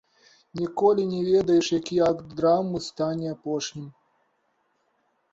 Ніколі не ведаеш, які акт драмы стане апошнім.